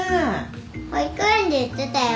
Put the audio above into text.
保育園で言ってたよ。